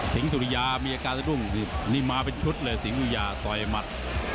สุริยามีอาการสะดุ้งนี่มาเป็นชุดเลยสิงหุยาต่อยหมัด